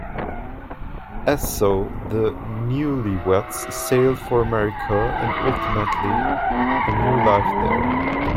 And so the newlyweds sailed for America and ultimately a new life there.